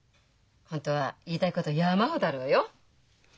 本当は言いたいこと山ほどあるわよ。